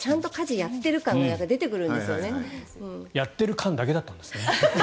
やっている感だけだったんですね。